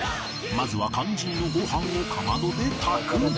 まずは肝心のご飯をかまどで炊く